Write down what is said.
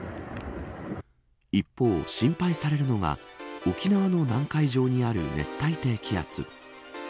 一方、心配されるのが沖縄の南海上にある熱帯低気圧。